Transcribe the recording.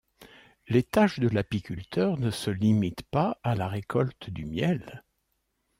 Les tâches de l'apiculteur ne se limitent pas à la récolte du miel.